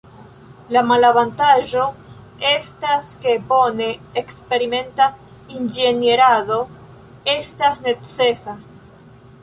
La malavantaĝo estas ke bone eksperimenta inĝenierado estas necesa.